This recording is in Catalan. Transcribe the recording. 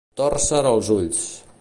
Tòrcer els ulls.